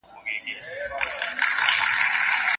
شپه سوه تېره پر اسمان ختلی لمر دی